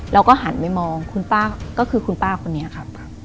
เราก็หันไปมองคุณป้าก็คือคุณป้าคนนี้ครับ